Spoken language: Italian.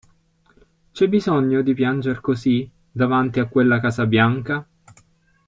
C'è bisogno di pianger così, davanti a quella casa bianca?